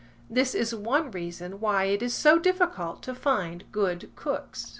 This is one reason why it is so difficult to find good cooks.